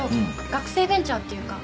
学生ベンチャーっていうか。